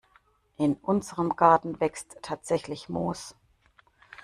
In unserem Garten wächst tatsächlich Moos.